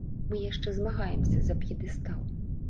Мы яшчэ змагаемся за п'едэстал.